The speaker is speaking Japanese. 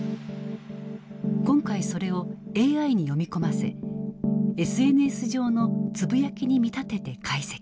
今回それをＡＩに読み込ませＳＮＳ上のつぶやきに見立てて解析。